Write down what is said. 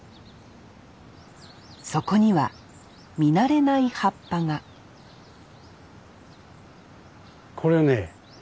そこには見慣れない葉っぱがこれはね